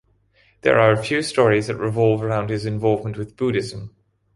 There are a few stories that revolve around his involvement with Buddhism.